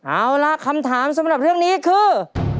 เอาล่ะคำถามสำหรับเรื่องนี้คือ